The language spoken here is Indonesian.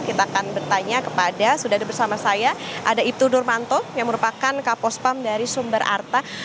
kita akan bertanya kepada sudah ada bersama saya ada ibtu nurmanto yang merupakan kapospam dari sumber arta